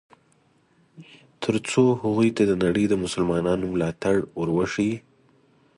ترڅو هغوی ته د نړۍ د مسلمانانو ملاتړ ور وښیي.